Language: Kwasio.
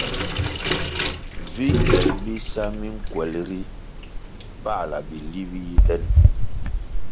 Vi kyel bisa minkwelʼ ri pala bili bi yi den.